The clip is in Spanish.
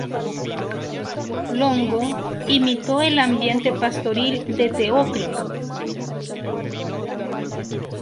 Longo imitó el ambiente pastoril de Teócrito.